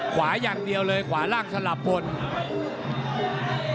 ขวาอย่างเดียวเลยขวาล่างสลับบน